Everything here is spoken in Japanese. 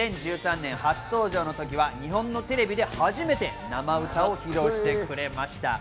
２０１３年、初登場のときは日本のテレビで初めて生歌を披露してくれました。